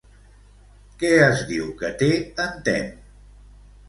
Què es diu que té en Temme?